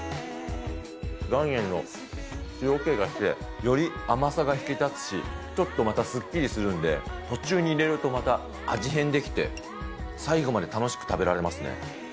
岩塩の塩気がして、より甘さが引き立つし、ちょっとまたすっきりするんで、途中に入れると、また味変できて、最後まで楽しく食べられますね。